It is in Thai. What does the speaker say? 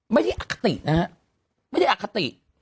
ไม่ได้อกตินะครับไม่ได้อกติ